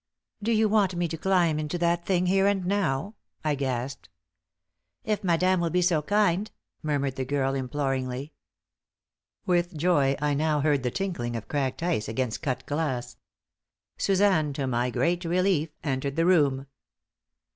"Do you want me to climb into that thing, here and now?" I gasped. "If madame will be so kind," murmured the girl, imploringly. With joy, I now heard the tinkling of cracked ice against cut glass. Suzanne, to my great relief, entered the room.